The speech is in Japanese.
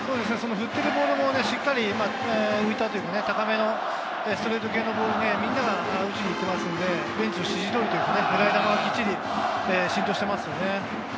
振っているボールも浮いたというか高めのストレート系のボールをみんなが打ちに行っているので、ベンチの指示通りというか、狙い球をしっかりミートしていますね。